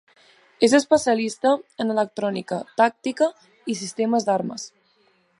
És especialista en electrònica, tàctica i sistemes d'armes.